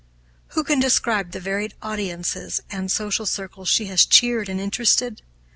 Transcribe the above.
Who can describe the varied audiences and social circles she has cheered and interested?